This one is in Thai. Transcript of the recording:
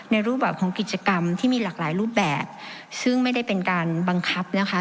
รูปแบบของกิจกรรมที่มีหลากหลายรูปแบบซึ่งไม่ได้เป็นการบังคับนะคะ